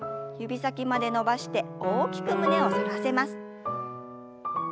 指先まで伸ばして大きく胸を反らせます。